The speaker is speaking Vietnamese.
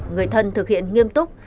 người thân thực hiện nghiêm túc